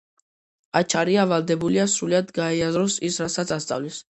აჩარია ვალდებულია, სრულიად გაიაზროს ის, რასაც ასწავლის.